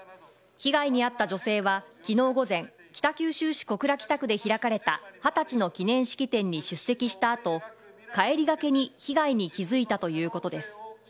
被害に遭った女性はきのう午前、北九州市小倉北区で開かれた二十歳の記念式典に出席したあと、帰りがけに被害に気付いたということです。